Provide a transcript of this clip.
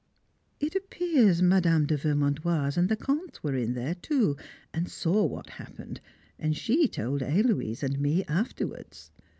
It appears Mme. de Vermandoise and the Comte were in there too, and saw what happened, and she told Héloise and me afterwards.